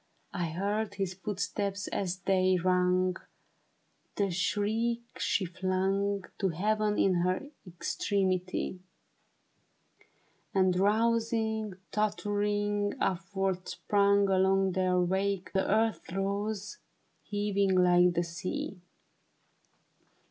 I heard his footsteps as they rung, The shriek she flung To Heaven in her extremity, And rousing, tottering upward, sprung Along their wake, while under me The earth rose heaving like the sea.